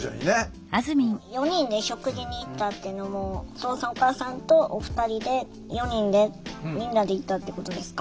「４人で食事に行った」っていうのもお父さんお母さんとお二人で４人でみんなで行ったってことですか？